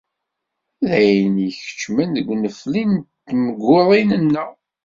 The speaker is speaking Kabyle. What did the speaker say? D ayen i d-ikeččmen deg unefli n temguḍin-nneɣ.